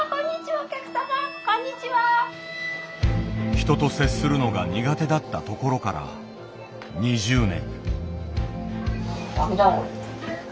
人と接するのが苦手だったところから２０年。